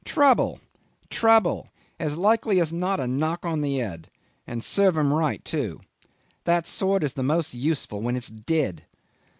Trouble, trouble; as likely as not a knock on the head; and serve 'em right too. That sort is the most useful when it's dead.